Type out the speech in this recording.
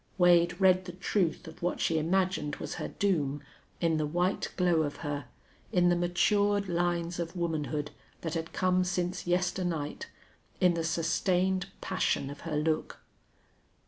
Wade read the truth of what she imagined was her doom in the white glow of her, in the matured lines of womanhood that had come since yesternight, in the sustained passion of her look.